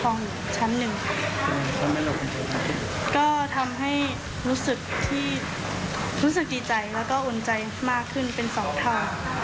คุ้มครองชั้นหนึ่งค่ะก็ทำให้รู้สึกที่รู้สึกดีใจแล้วก็อ่นใจมากขึ้นเป็นสองภาพ